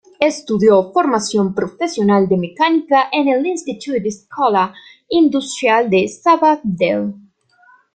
Estudió Formación Profesional de mecánica en el Institut Escola Industrial de Sabadell.